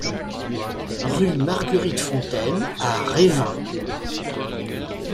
Rue Marguerite Fontaine à Revin